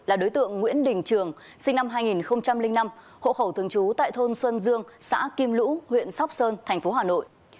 là đối tượng nguyễn đình trường sinh năm hai nghìn năm hộ khẩu thường trú tại thôn xuân dương xã kim lũ huyện sóc sơn thành phố hà nội